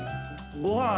◆ごはん。